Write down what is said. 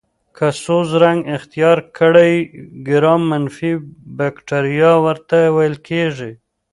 که سور رنګ اختیار کړي ګرام منفي بکټریا ورته ویل کیږي.